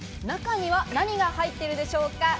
中には何が入っているでしょうか？